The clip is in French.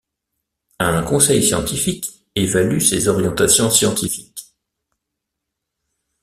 Un conseil scientifique évalue ses orientations scientifiques.